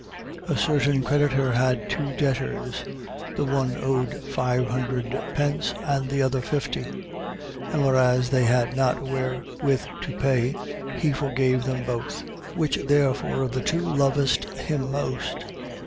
7:41. A certain creditor had two debtors: the one owed five hundred pence and the other fifty. 7:42. And whereas they had not wherewith to pay, he forgave them both. Which therefore of the two loveth him most?